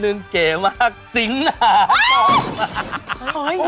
นี่ไงพระเภกสูตรเณนเทศ